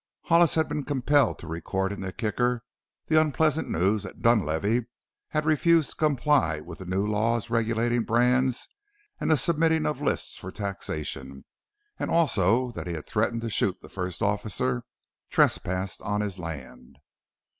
Hollis had been compelled to record in the Kicker the unpleasant news that Dunlavey had refused to comply with the new law regulating brands and the submitting of lists for taxation, and also that he had threatened to shoot the first officer trespassed on his land.